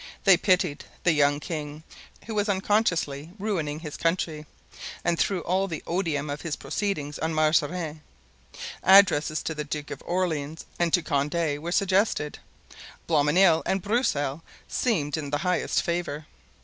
They pitied the young king, who was unconsciously ruining his country, and threw all the odium of his proceedings on Mazarin. Addresses to the Duke of Orleans and to Condé were suggested. Blancmesnil and Broussel seemed in the highest favor.